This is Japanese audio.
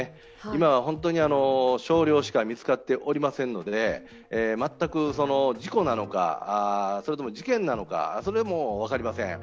今は本当に少量しか見つかっておりませんので、全く事故なのか、それとも事件なのか、それも分かりません。